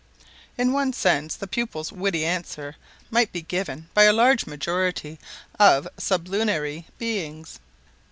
In one sense, the pupil's witty answer might be given by a large majority of sublunary beings.